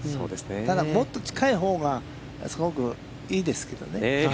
ただ、もっと近いほうがすごくいいですけどね。